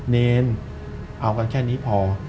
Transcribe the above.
เนรเอากันแค่นี้พอ